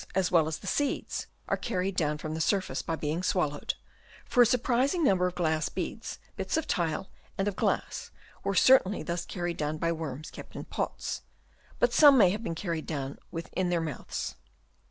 as well as the seeds, are carried down from the surface by being swallowed ; for a sur prising number of glass beads, bits of tile and of glass were certainly thus carried down by worms kept in pots ; but some may have been carried down within their mouths.